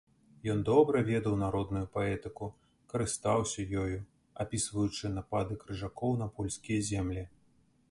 Ён добра ведаў народную паэтыку, карыстаўся ёю, апісваючы напады крыжакоў на польскія землі.